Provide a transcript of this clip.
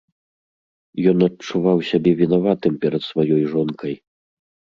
Ён адчуваў сябе вінаватым перад сваёй жонкай.